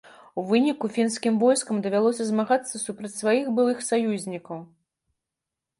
У выніку фінскім войскам давялося змагацца супраць сваіх былых саюзнікаў.